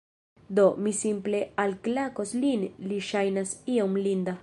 Do, mi simple alklakos lin li ŝajnas iom linda